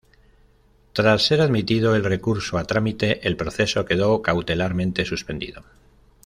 Tras ser admitido el recurso a trámite, el proceso quedó cautelarmente suspendido.